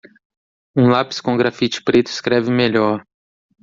Um lápis com grafite preto escreve melhor.